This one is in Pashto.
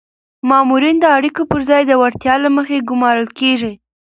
مامورین د اړیکو پر ځای د وړتیا له مخې ګمارل کیږي.